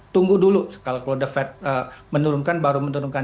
tunggu dulu kalau the fed menurunkan baru menurunkan